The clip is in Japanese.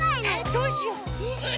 どうしよう？うっ！